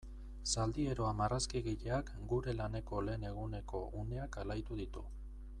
Zaldieroa marrazkigileak gure laneko lehen eguneko uneak alaitu ditu.